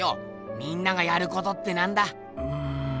みんながやることってなんだ？